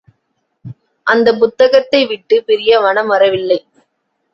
அந்தப் புத்தகத்தைவிட்டு பிரிய மனம் வரவில்லை.